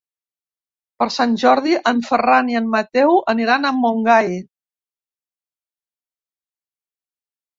Per Sant Jordi en Ferran i en Mateu aniran a Montgai.